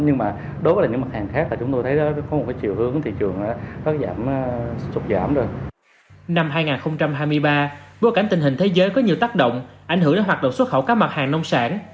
năm hai nghìn hai mươi ba bối cảnh tình hình thế giới có nhiều tác động ảnh hưởng đến hoạt động xuất khẩu các mặt hàng nông sản